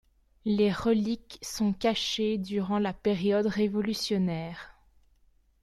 Les reliques sont cachées durant la période révolutionnaire.